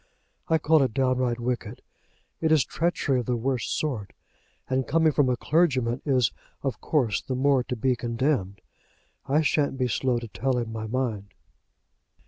I call it downright wicked. It is treachery of the worst sort, and coming from a clergyman is of course the more to be condemned. I shan't be slow to tell him my mind."